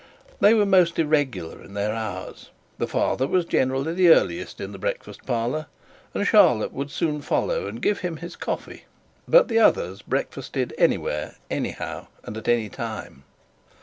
They were most irregular in their hours. The father was generally the earliest in the breakfast parlour, and Charlotte would soon follow and give him coffee; but the others breakfasted anywhere anyhow, and at any time.